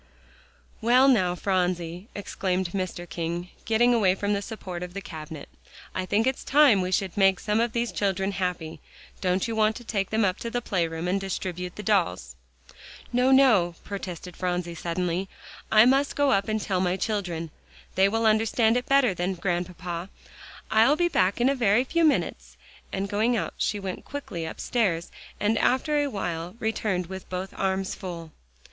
"Well, now, Phronsie," exclaimed Mr. King, getting away from the support of the cabinet, "I think it's time that we should make some of these children happy. Don't you want to take them up to the playroom and distribute the dolls?" "No, no," protested Phronsie suddenly. "I must go up and tell my children. They will understand it better then, Grandpapa. I'll be back in a very few minutes," and going out she went quickly upstairs, and after a while returned with both arms full.